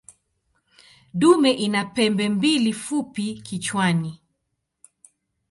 Dume ina pembe mbili fupi kichwani.